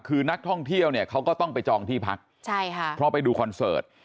คือนักท่องเที่ยวเนี่ยเขาก็ต้องไปจองที่พักใช่ค่ะเพราะไปดูคอนเสิร์ต